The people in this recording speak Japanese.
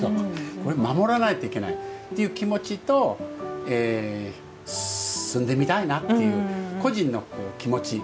これ、守らないといけないという気持ちと住んでみたいなという個人の気持ち。